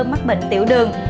mắc bệnh tiểu đường